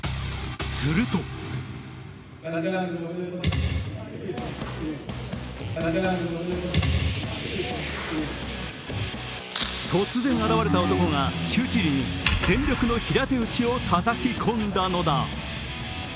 すると突然現れた男が州知事に全力の平手打ちをたたき込んだのだ。